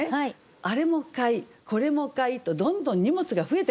あれも買いこれも買いとどんどん荷物が増えてくるんですね。